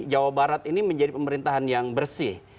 jawa barat ini menjadi pemerintahan yang bersih